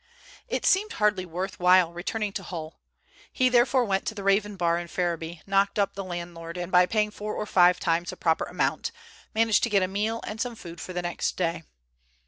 It seemed hardly worth while returning to Hull. He therefore went to the Raven Bar in Ferriby, knocked up the landlord, and by paying four or five times the proper amount, managed to get a meal and some food for the next day.